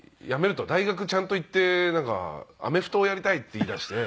大学ちゃんと行ってアメフトをやりたいって言い出して。